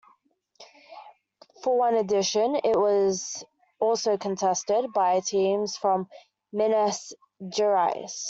For one edition, it was also contested by teams from Minas Gerais.